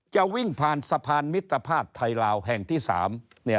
จะวิ่งผ่านสะพานมิตรภาพไทยลาวแห่งที่๓